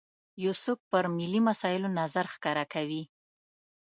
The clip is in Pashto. یو څوک پر ملي مسایلو نظر ښکاره کوي.